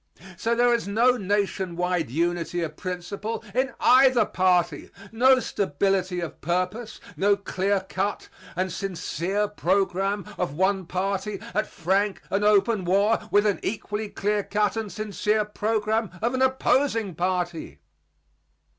So there is no nation wide unity of principle in either party, no stability of purpose, no clear cut and sincere program of one party at frank and open war with an equally clear cut and sincere program of an opposing party.